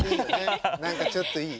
何かちょっといい。